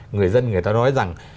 người dân người ta nói rằng